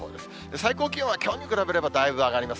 最高気温はきょうに比べればだいぶ上がります。